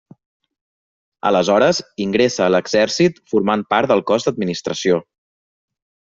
Aleshores ingressa a l'exèrcit, formant part del Cos d'Administració.